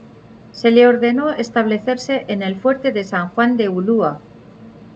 Se le ordenó establecerse en el fuerte de San Juan de Ulúa.